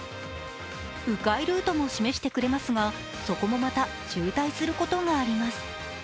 う回ルートも示してくれますがそこもまた渋滞することがあります。